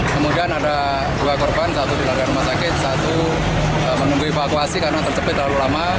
kemudian ada dua korban satu dilanda rumah sakit satu menunggu evakuasi karena terjepit terlalu lama